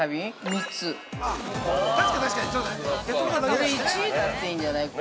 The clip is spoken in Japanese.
◆これ１位だっていいんじゃない。